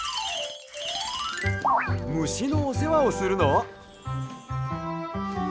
ムシのおせわをするの？